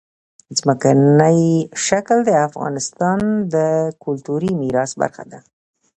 ځمکنی شکل د افغانستان د کلتوري میراث برخه ده.